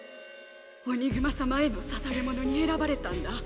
オニグマ様への捧げ者に選ばれたんだ。